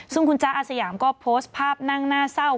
ซึ่งคุณจ๊ะอาสยามก็โพสต์ภาพนั่งหน้าเศร้า